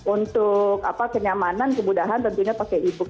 untuk kenyamanan kemudahan tentunya pakai e book